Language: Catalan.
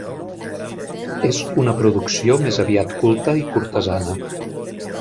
És una producció més aviat culta i cortesana.